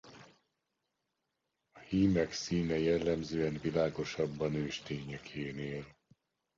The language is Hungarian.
A hímek színe jellemzően világosabb a nőstényekénél.